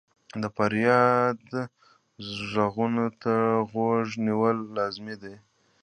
د فریاد ږغونو ته غوږ نیول لازمي وي.